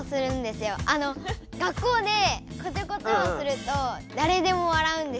学校でこちょこちょをするとだれでも笑うんですよ。